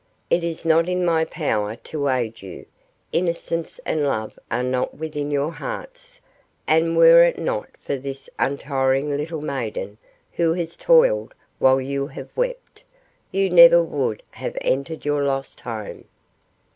It is not in my power to aid you; innocence and love are not within your hearts, and were it not for this untiring little maiden, who has toiled while you have wept, you never would have entered your lost home.